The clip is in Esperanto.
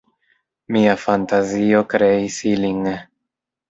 Mia fantazio kreis ilin.